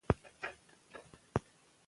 دریابونه د افغانستان د طبیعي زیرمو برخه ده.